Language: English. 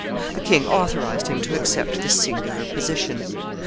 The king authorized him to accept this singular position.